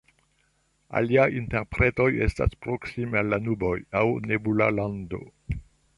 Aliaj interpretoj estas "proksime al la nuboj" aŭ "nebula lando".